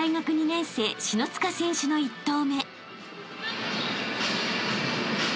年生篠塚選手の１投目］